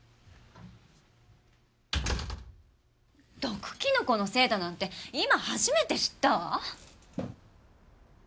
毒キノコのせいだなんて今初めて知ったわ。